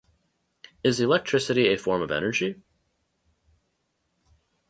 Is electricity a form of energy?